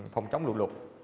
phòng chống lụt lụt